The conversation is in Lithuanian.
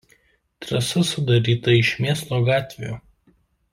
Trasa sudaryta iš miesto gatvių.